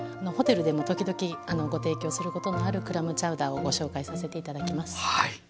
ホテルでも時々ご提供することのあるクラムチャウダーをご紹介させて頂きます。